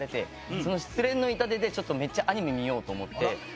失恋の痛手でめっちゃアニメ見ようと思って。